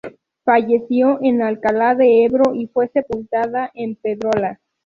Falleció en Alcalá de Ebro y fue sepultada en Pedrola.